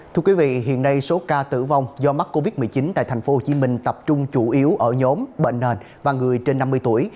thưa quý vị hiện nay số ca tử vong do mắc covid một mươi chín tại tp hcm tập trung chủ yếu ở nhóm bệnh nền và người trên năm mươi tuổi